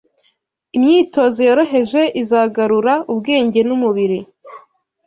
Imyitozo yoroheje izagarura ubwenge n'umubiri.